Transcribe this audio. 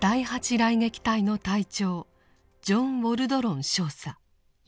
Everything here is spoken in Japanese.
雷撃隊の隊長ジョン・ウォルドロン少佐４１歳。